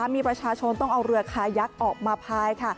มีประชาชนต้องเอาเรือคายักษ์ออกมาพายค่ะ